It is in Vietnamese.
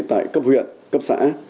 tại cấp huyện cấp xã